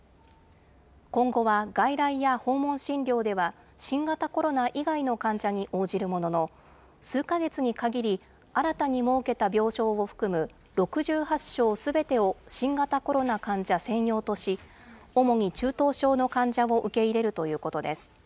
今後は外来や訪問診療では、新型コロナ以外の患者に応じるものの、数か月に限り、新たに設けた病床を含む６８床すべてを新型コロナ患者専用とし、主に中等症の患者を受け入れるということです。